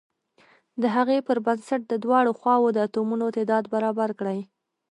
د هغې پر بنسټ د دواړو خواو د اتومونو تعداد برابر کړئ.